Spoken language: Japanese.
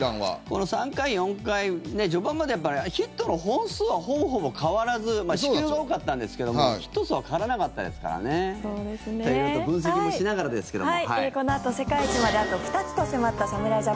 この３回、４回序盤までヒットの本数はほぼほぼ変わらず四球が多かったんですけどもヒット数は変わらなかったですからね。ということで分析もしながらですけども。